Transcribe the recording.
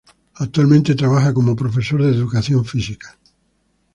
Actualmente trabaja como profesor de educación física.